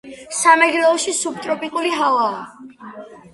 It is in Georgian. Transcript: სამეგრელოში სუბტროპიკული ჰავაა